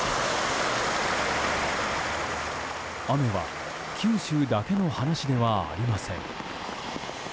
雨は九州だけの話ではありません。